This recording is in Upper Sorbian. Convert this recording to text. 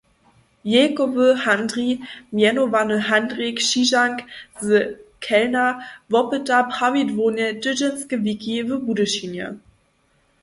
„Jejkowy Handrij“ mjenowany Handrij Křižank z Chelna wopyta prawidłownje tydźenske wiki w Budyšinje.